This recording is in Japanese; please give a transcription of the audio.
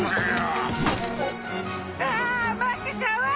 ああっ負けちゃう！